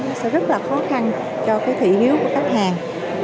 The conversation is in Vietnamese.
nó sẽ rất là khó khăn cho thị hiếu của các hàng